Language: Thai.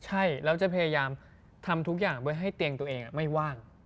ใช่แล้วจะพยายามทำทุกอย่างเพื่อให้เตียงตัวเองไม่ว่าง